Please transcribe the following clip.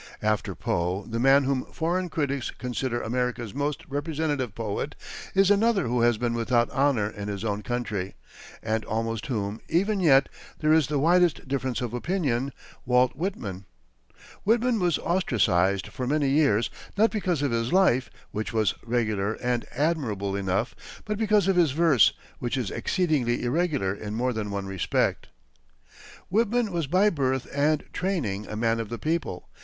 After Poe, the man whom foreign critics consider America's most representative poet is another who has been without honor in his own country, and about whom, even yet, there is the widest difference of opinion Walt Whitman. Whitman was ostracized for many years not because of his life, which was regular and admirable enough, but because of his verse, which is exceedingly irregular in more than one respect. Whitman was by birth and training a man of the people.